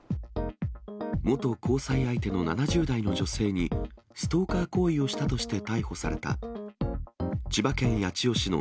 元交際相手の７０代の女性に、ストーカー行為をしたとして逮捕された、千葉県八千代市の